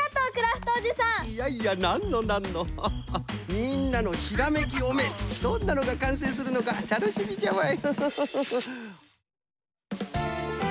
みんなのひらめきおめんどんなのがかんせいするのかたのしみじゃわい。